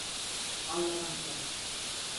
Anlamazsın.